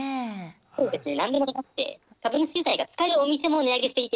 そうですね何でも高くて株主優待が使えるお店も値上げしていて。